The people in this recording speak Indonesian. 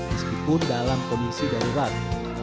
meskipun dalam kondisi darurat